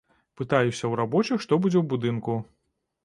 Пытаюся ў рабочых, што будзе ў будынку.